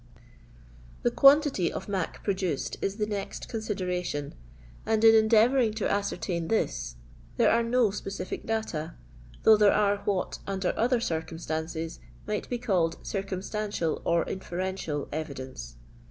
The quantity of mac " produced is the next connderation, and in endeavouring to ascertain this there are no specific data, though there are what, under other circumstances, might be called circum stantial or inferential evidence.